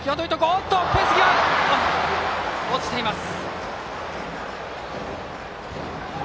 フェンス際、落ちています。